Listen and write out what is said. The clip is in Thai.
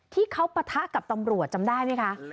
ที่เขาปะทะกับตำรวจจำได้ไหมคะ